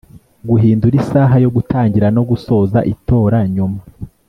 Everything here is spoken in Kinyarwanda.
guhindura isaha yo gutangira no gusoza itora nyuma